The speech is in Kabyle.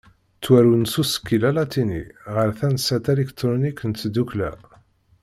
Ttwarun s usekkil alatini, ɣer tansa talikṭrunit n tdukkla.